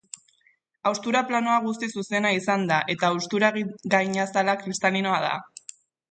Haustura-planoa guztiz zuzena izan da, eta haustura-gainazala kristalinoa da.